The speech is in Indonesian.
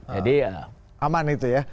jadi aman itu ya